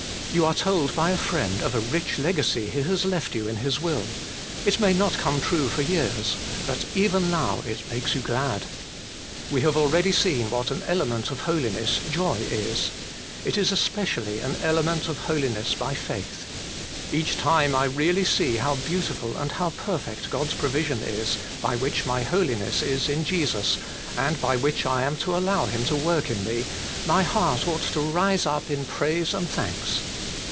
You are told by a friend of a rich legacy he has left you in his will : it may not come true for years, but even now it makes you glad. We have already seen what an element of holiness joy is : it is especially an element of holiness by faith. Each time I really see how beautiful and how perfect God's provision is, by which my holiness is in Jesus, and by which I am to allow Him to work in me, my heart ought to rise up in praise and thanks.